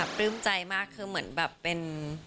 ปลื้มใจมากคือเหมือนแบบเป็น